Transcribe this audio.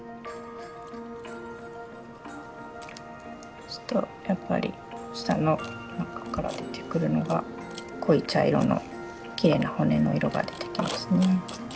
そうするとやっぱり下の中から出てくるのが濃い茶色のきれいな骨の色が出てきますね。